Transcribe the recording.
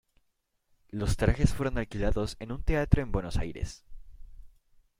Los trajes fueron alquilados en un teatro en Buenos Aires.